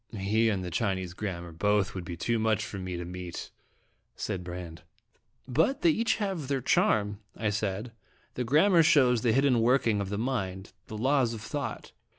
" He and the Chinese grammar both would be too much for me to meet/' said Brande. " But they have each their charm," I said. "The grammar shows the hidden working of the mind, the laws of thought."